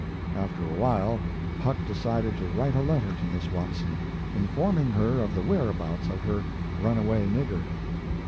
After awhile, Huck decided to write a letter to Miss Watson, informing her of the whereabouts of her "runaway nigger."